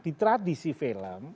di tradisi film